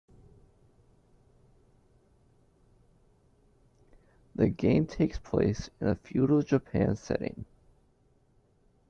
The game takes place in a feudal Japan setting.